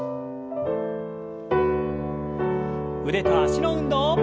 腕と脚の運動。